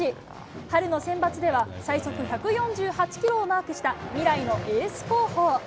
春のセンバツでは最速１４９キロをマークした未来のエース候補。